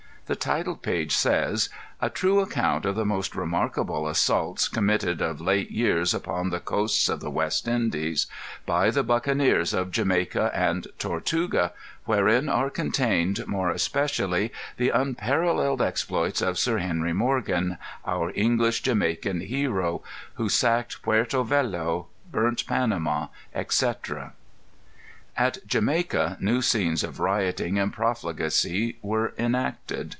The title page says: "A True Account of the most remarkable Assaults, committed of late years upon the Coasts of the West Indies, by the Buccaneers of Jamaica and Tortuga, wherein are contained more especially the unparalleled Exploits of Sir Henry Morgan, our English Jamaican Hero, who sacked Puerto Velo, burnt Panama, etc." At Jamaica new scenes of rioting and profligacy were enacted.